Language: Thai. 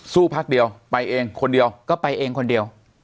พักเดียวไปเองคนเดียวก็ไปเองคนเดียว